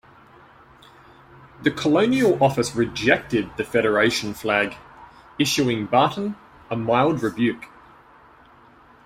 The Colonial Office rejected the Federation Flag, issuing Barton a mild rebuke.